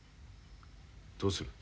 どうする？